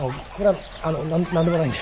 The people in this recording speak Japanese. あの何でもないんで。